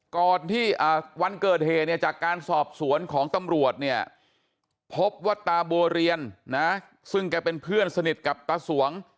ก่อนที่วันเกิดเหตุเนี่ยจากการสอบสวนของตำรวจเนี่ยพบว่าตาบัวเรียนนะซึ่งแกเป็นเพื่อนสนิทกับตาสวง